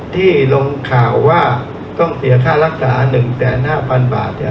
ที่ลงข่าวว่าต้องเสียค่ารักษา๑๕๐๐๐บาทเนี่ย